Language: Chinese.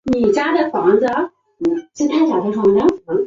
车站排队排了一票人